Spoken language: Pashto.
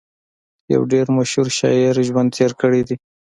يو ډېر مشهور شاعر ژوند تېر کړی دی